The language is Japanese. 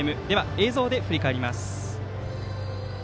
映像で振り返ります。